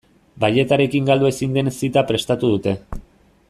Balletarekin galdu ezin den zita prestatu dute.